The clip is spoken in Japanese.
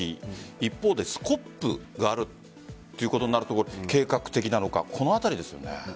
一方でスコップがあるということになると計画的なのかこの辺りですよね。